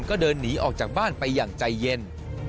ก็เดินหนีออกจากบ้านไปอย่างใจเย็น